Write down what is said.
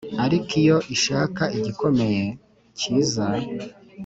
ariko iyo ishaka igikomeye kiza